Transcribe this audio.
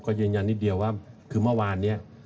ก็ยืนยันนิดเดียวว่าคือเมื่อวานนี้